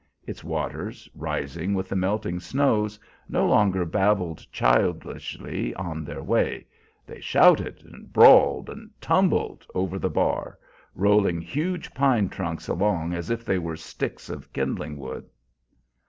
Its waters, rising with the melting snows, no longer babbled childishly on their way; they shouted, and brawled, and tumbled over the bar, rolling huge pine trunks along as if they were sticks of kindling wood.